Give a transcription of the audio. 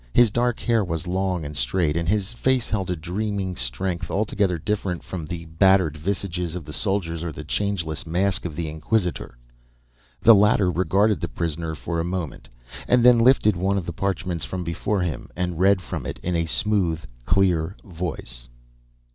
His dark hair was long and straight, and his face held a dreaming strength, altogether different from the battered visages of the soldiers or the changeless mask of the Inquisitor. The latter regarded the prisoner for a moment, and then lifted one of the parchments from before him and read from it in a smooth, clear voice.